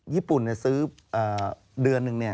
ญี่ปุ่นซื้อเดือนหนึ่ง